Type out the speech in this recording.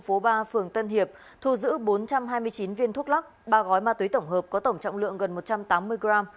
phố ba phường tân hiệp thu giữ bốn trăm hai mươi chín viên thuốc lắc ba gói ma túy tổng hợp có tổng trọng lượng gần một trăm tám mươi gram